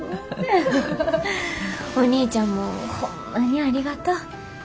お兄ちゃんもホンマにありがとう。